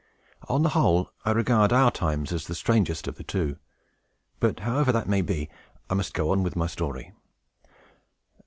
On the whole, I regard our own times as the strangest of the two; but, however that may be, I must go on with my story.